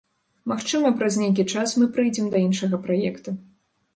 Магчыма, праз нейкі час мы прыйдзем да іншага праекта.